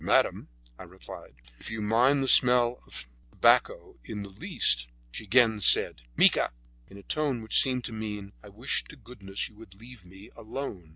"Madame," I replied, "if you mind the smell of tobacco in the least—" She again said, "Mica," in a tone which seemed to mean, "I wish to goodness you would leave me alone!"